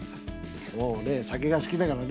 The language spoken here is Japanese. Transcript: もうね酒が好きだからね。